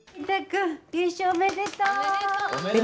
おめでとう。